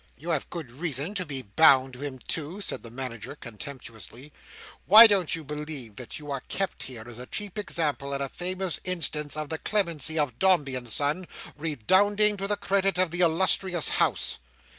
"You have good reason to be bound to him too!" said the Manager, contemptuously. "Why, don't you believe that you are kept here, as a cheap example, and a famous instance of the clemency of Dombey and Son, redounding to the credit of the illustrious House?"